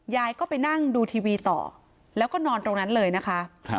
ยายก็ไปนั่งดูทีวีต่อแล้วก็นอนตรงนั้นเลยนะคะ